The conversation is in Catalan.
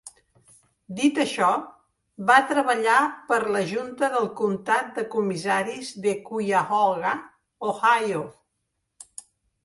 Dit això, va treballar per la junta del comptat de comissaris de Cuyahoga, Ohio.